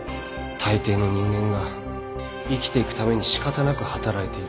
たいていの人間が生きていくために仕方なく働いている